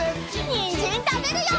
にんじんたべるよ！